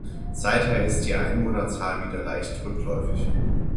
Seither ist die Einwohnerzahl wieder leicht rückläufig.